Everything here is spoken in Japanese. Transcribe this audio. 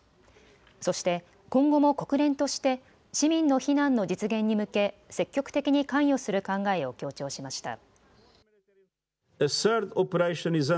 そして今後も国連として、市民の避難の実現に向け、積極的に関与する考えを強調しました。